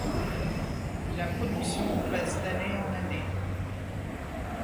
La production baisse d'années en années.